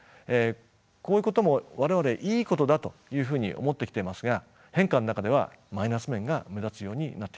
こういうことも我々いいことだというふうに思ってきていますが変化の中ではマイナス面が目立つようになってきてるわけです。